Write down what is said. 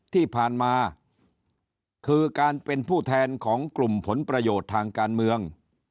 ที่ผ่านมาคือการเป็นผู้แทนของกลุ่มผลประโยชน์ทางการเมือง